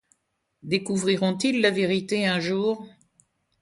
Découvriront-ils la vérité un jour ?